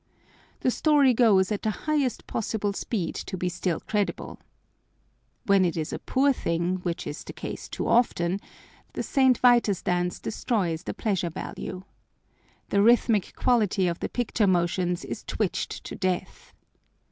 The story goes at the highest possible speed to be still credible. When it is a poor thing, which is the case too often, the St. Vitus dance destroys the pleasure value. The rhythmic quality of the picture motions is twitched to death.